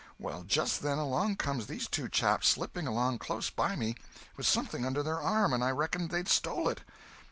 Well, just then along comes these two chaps slipping along close by me, with something under their arm, and I reckoned they'd stole it.